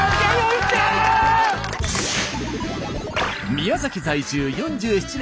宮崎在住４７年。